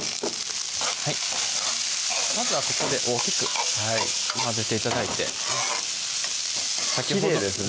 まずはここで大きく混ぜて頂いてきれいですね